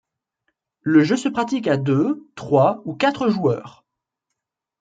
Le jeu se pratique à deux, trois ou quatre joueurs.